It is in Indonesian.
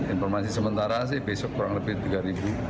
informasi sementara sih besok kurang lebih tiga ribu